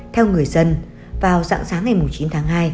theo người dân vào dạng sáng ngày chín tháng hai